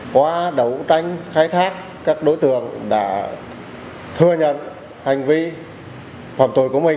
qua đấu tranh khai thác các đối tượng đã thừa nhận hành vi phòng tội của mình